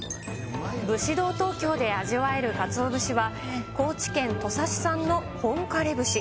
節道トウキョウで味わえるかつお節は、高知県土佐市酸の本枯節。